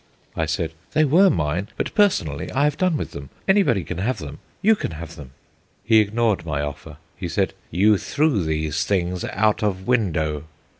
I said: "They were mine, but personally I have done with them. Anybody can have them you can have them." He ignored my offer. He said: "You threw these things out of window."